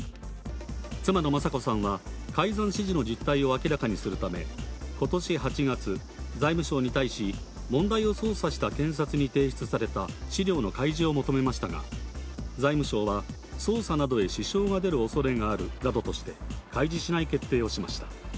妻の雅子さんは改ざん指示の実態を明らかにするため、ことし８月、財務省に対し、問題を捜査した検察に提出された資料の開示を求めましたが、財務省は捜査などへ支障が出るおそれがあるなどとして、開示しない決定をしました。